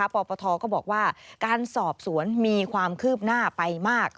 ปปทก็บอกว่าการสอบสวนมีความคืบหน้าไปมาก